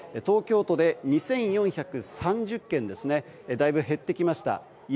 東京都で２４３０軒とだいぶ減ってきました。